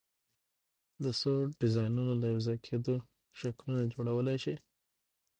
د څو ډیزاینونو له یو ځای کېدو شکلونه جوړولی شئ؟